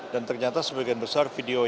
dan ternyata sebagian besar video yang